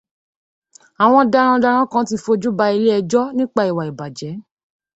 Àwọn darandaran kan ti fojú ba ilé ẹjọ́ nípa ìwà ìbàjẹ́